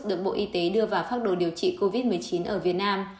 được bộ y tế đưa vào phác đồ điều trị covid một mươi chín ở việt nam